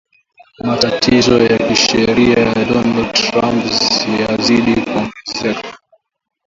Matatizo ya kisheria ya Donald Trump yazidi kuongezeka